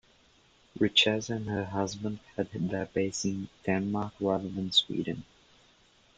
Richeza and her husband had their base in Denmark rather than Sweden.